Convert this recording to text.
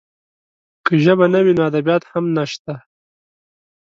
که ژبه نه وي، نو ادبیات هم نشته.